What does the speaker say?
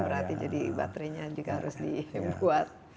berarti jadi baterainya juga harus dibuat